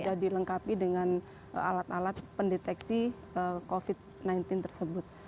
sudah dilengkapi dengan alat alat pendeteksi covid sembilan belas tersebut